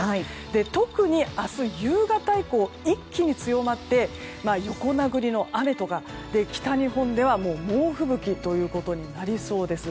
特に明日夕方以降一気に強まって横殴りの雨とか北日本では猛吹雪ということになりそうです。